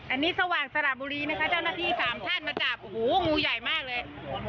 อันนี้สว่างสระบุรีนะคะเจ้าหน้าที่สามท่านมาจับโอ้โหงูใหญ่มากเลย